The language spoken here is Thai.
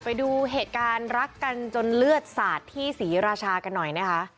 ไปดูเหตุการณ์รักกันจนเลือดสาดที่ศรีราชากันหน่อยนะคะ